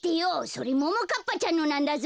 それももかっぱちゃんのなんだぞ。